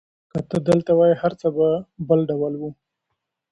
که ته دلته وای، هر څه به بل ډول وو.